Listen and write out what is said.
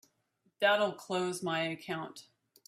That'll close my account.